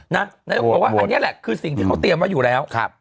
นายกบอกว่าอันนี้แหละคือสิ่งที่เขาเตรียมไว้อยู่แล้ว